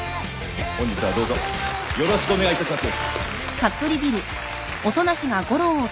本日はどうぞよろしくお願いいたします。